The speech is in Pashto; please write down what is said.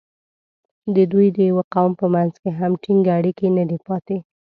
د دوی د یوه قوم په منځ کې هم ټینګ اړیکې نه دي پاتې.